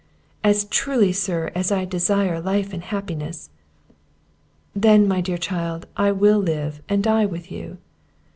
"As truly, sir, as I desire life and happiness!" "Then, my dear child, I will live and die with you!"